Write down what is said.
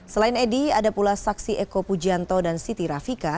selain edi ada pula saksi eko pujanto dan siti rafika